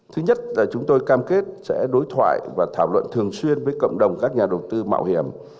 thứ nhất là chúng tôi cam kết sẽ đối thoại và thảo luận thường xuyên với cộng đồng các nhà đầu tư mạo hiểm